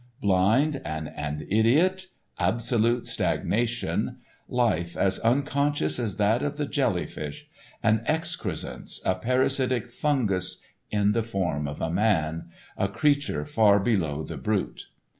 Blind and an idiot, absolute stagnation, life as unconscious as that of the jelly fish, an excrescence, a parasitic fungus in the form of a man, a creature far below the brute.